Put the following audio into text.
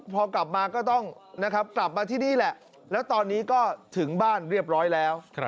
พอกลับมาก็ต้องนะครับกลับมาที่นี่แหละแล้วตอนนี้ก็ถึงบ้านเรียบร้อยแล้ว